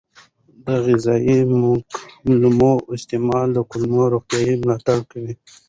د غذایي مکملونو استعمال د کولمو روغتیا ملاتړ کوي.